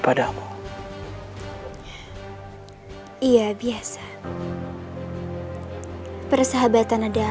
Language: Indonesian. tidak usah banyak tanya